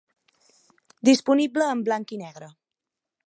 Disponible en blanc i negre.